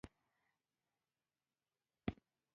د بریالي هلمند انډیوال کور ته ولاړو.